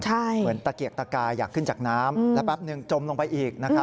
เหมือนตะเกียกตะกายอยากขึ้นจากน้ำแล้วแป๊บนึงจมลงไปอีก